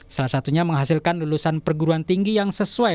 salah satunya menghasilkan lulusan perguruan tinggi yang sesuai